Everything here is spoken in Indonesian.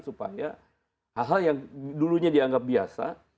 supaya hal hal yang dulunya dianggap biasa